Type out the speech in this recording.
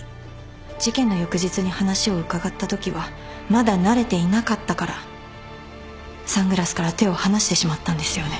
事件の翌日に話を伺ったときはまだ慣れていなかったからサングラスから手を離してしまったんですよね。